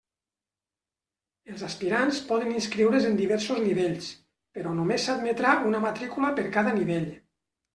Els aspirants poden inscriure's en diversos nivells, però només s'admetrà una matrícula per cada nivell.